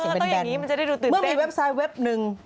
ก็ต้องอย่างนี้มันจะได้ดูตื่นเต้นในเว็บไซต์เว็บหนึ่ง